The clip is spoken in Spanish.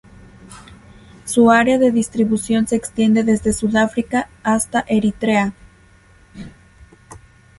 Su área de distribución se extiende desde Sudáfrica hasta Eritrea.